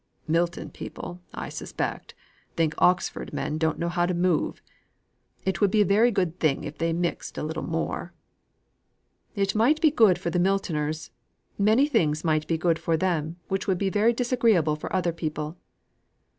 "Milton people, I suspect, think Oxford men don't know how to move. It would be a very good thing if they mixed a little more." "It might be good for the Miltoners. Many things might be good for them which would be very disagreeable for other people."